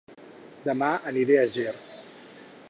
Dema aniré a Ger